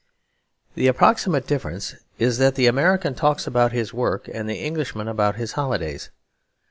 The approximate difference is that the American talks about his work and the Englishman about his holidays.